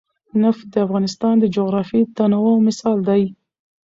نفت د افغانستان د جغرافیوي تنوع مثال دی.